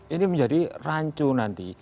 ini menjadi rancu nanti